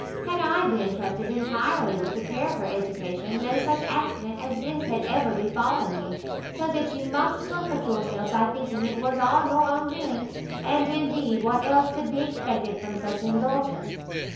Had I been trusted entirely with the care of her education, no such accident as this had ever befallen you; so that you must comfort yourself by thinking it was all your own doing; and, indeed, what else could be expected from such indulgence?"